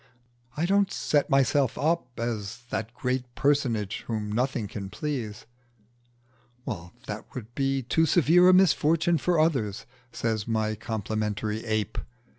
"I don't set myself up as the great personage whom nothing can please." "That would be too severe a misfortune for others," says my complimentary ape.